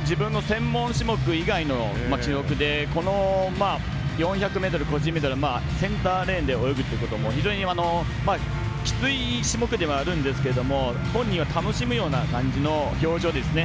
自分の専門種目以外でこの４００ｍ個人メドレーでセンターレーン以外で泳ぐっていうことも非常にきつい種目ではあるんですけども本人は楽しむような感じの表情ですね。